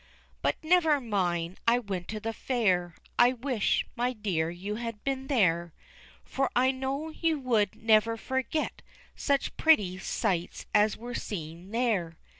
But never mind, I went to the fair, I wish, my dear, you had been there, For I know you would never forget Such pretty sights as were seen there.